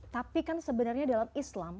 tapi kan sebenarnya dalam islam